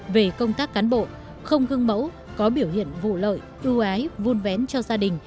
về công tác cán bộ không gương mẫu có biểu hiện vụ lợi ưu ái vun vén cho gia đình